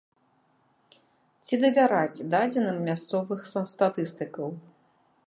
Ці давяраць дадзеным мясцовых статыстыкаў?